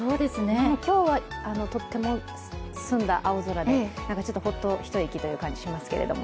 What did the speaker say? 今日はとっても済んだ青空で、ホッと一息という感じしますけれども。